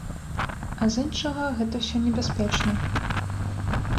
А з іншага, гэта ўсё небяспечна.